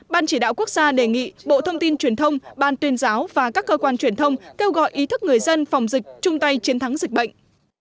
ban chỉ đạo quốc gia đề nghị bộ thông tin truyền thông ban tuyên giáo và các cơ quan truyền thông kêu gọi ý thức người dân phòng dịch chung tay chiến thắng dịch bệnh